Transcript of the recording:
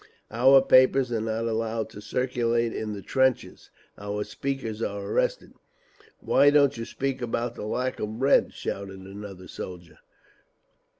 Our papers are not allowed to circulate in the trenches. Our speakers are arrested—" "Why don't you speak about the lack of bread?" shouted another soldier.